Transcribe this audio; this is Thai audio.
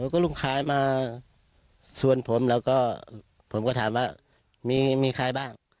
ก็ลุงขายมาส่วนผมแล้วก็ผมก็ถามว่ามีใครบ้าง